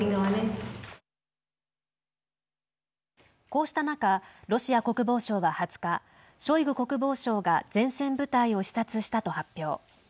こうした中ロシア国防省は２０日ショイグ国防相が前線部隊を視察したと発表。